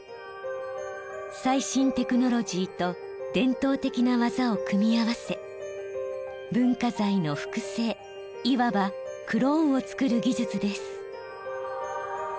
最新テクノロジーと伝統的な技を組み合わせ文化財の複製いわばクローンをつくる技術です。